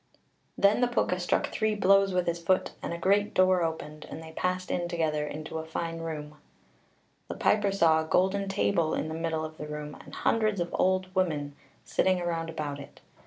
Then the Púca struck three blows with his foot, and a great door opened, and they passed in together, into a fine room. The piper saw a golden table in the middle of the room, and hundreds of old women (cailleacha) sitting round about it.